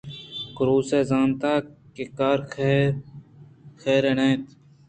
کُروس ءَ زانت کہ کار خیر نہ اَنت